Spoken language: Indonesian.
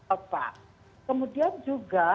alpha kemudian juga